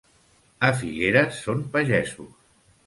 A Figueres són pagesos.